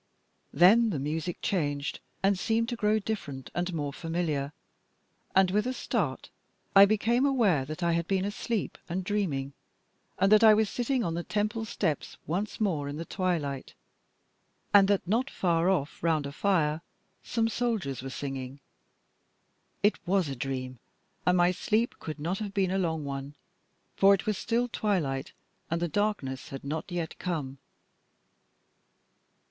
Then the music changed and seemed to grow different and more familiar, and with a start I became aware that I had been asleep and dreaming, and that I was sitting on the temple steps once more in the twilight, and that not far off, round a fire, some soldiers were singing. It was a dream, and my sleep could not have been a long one, for it was still twilight and the darkness had not yet come.